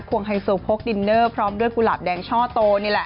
วงไฮโซโพกดินเนอร์พร้อมด้วยกุหลาบแดงช่อโตนี่แหละ